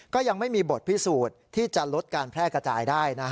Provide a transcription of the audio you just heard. ก็ยังไม่มีบทพิสูจน์ที่จะลดการแพร่กระจายได้